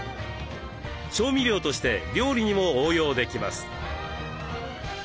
調味料として料理にも応用できます。